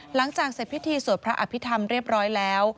หลังจากเสร็จพิธีสวดพระอภิษฐรรมเรียบร้อยแล้ว